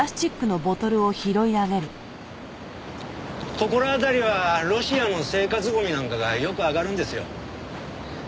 ここら辺りはロシアの生活ゴミなんかがよくあがるんですよ。